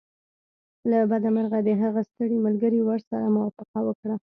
له بده مرغه د هغه ستړي ملګري ورسره موافقه وکړه